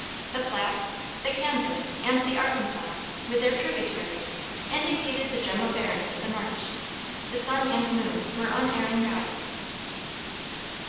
The Platte, the Kansas, and the Arkansas, with their tributaries, indicated the general bearings of the march, the sun and moon were unerring guides.